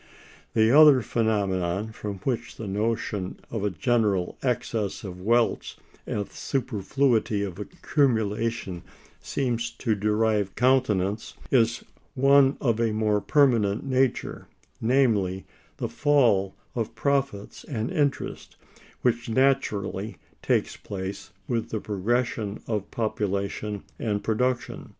The other phenomenon from which the notion of a general excess of wealth and superfluity of accumulation seems to derive countenance is one of a more permanent nature, namely, the fall of profits and interest which naturally takes place with the progress of population and production.